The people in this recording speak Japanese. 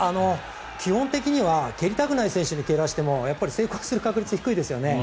基本的には蹴りたくない選手に蹴らせても成功する確率は低いですよね。